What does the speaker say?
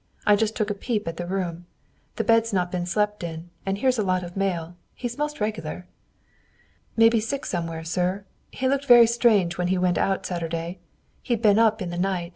I just took a peep at the room. The bed's not been slept in, and here's a lot of mail. He's most regular. "May be sick somewhere, sir. He looked very strange when he went out Saturday. He'd been up in the night.